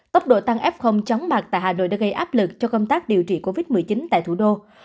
tốc độ tăng f chóng mặt tại hà nội đã gây áp lực cho công tác điều trị covid một mươi chín tại thủ đô